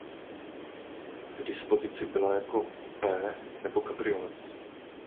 K dispozici byla jako kupé nebo kabriolet.